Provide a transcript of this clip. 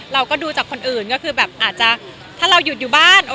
เราก็ดูจากคนอื่นก็คือแบบอาจจะถ้าเราหยุดอยู่บ้าน